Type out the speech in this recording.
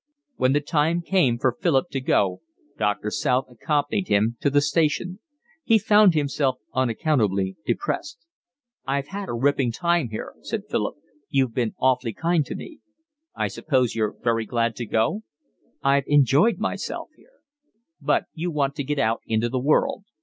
When the time came for Philip to go Doctor South accompanied him to the station: he found himself unaccountably depressed. "I've had a ripping time here," said Philip. "You've been awfully kind to me." "I suppose you're very glad to go?" "I've enjoyed myself here." "But you want to get out into the world?